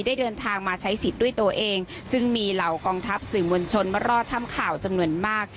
ได้เดินทางมาใช้สิทธิ์ด้วยตัวเองซึ่งมีเหล่ากองทัพสื่อมวลชนมารอทำข่าวจำนวนมาก